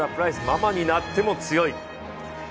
ママになっても強い。